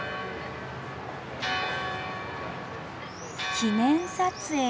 記念撮影。